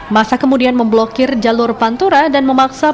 masa kemudian memblokir jalur pantura dan memaksa